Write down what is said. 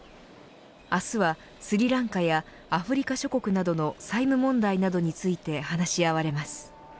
明日は、スリランカやアフリカ諸国などの債務問題などについて話し合われます。